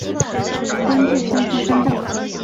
官至山西参政。